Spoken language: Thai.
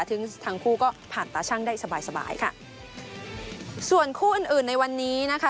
ทั้งคู่ก็ผ่านตาชั่งได้สบายสบายค่ะส่วนคู่อื่นอื่นในวันนี้นะคะ